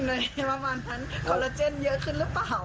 ประมาณนั้นคอลลาเจนเยอะขึ้นหรือเปล่า